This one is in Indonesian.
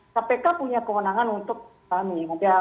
kpk punya kewenangan untuk kami